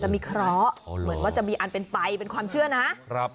มีเคราะห์เหมือนว่าจะมีอันเป็นไปเป็นความเชื่อนะครับ